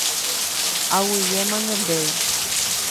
Aguyjémante ndéve.